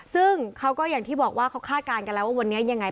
ซึ่งเขาก็อย่างที่บอกว่าเขาคาดการณ์กันแล้วว่าวันนี้ยังไง